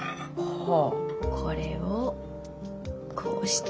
これをこうして。